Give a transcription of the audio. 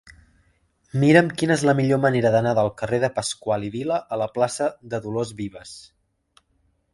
Mira'm quina és la millor manera d'anar del carrer de Pascual i Vila a la plaça de Dolors Vives.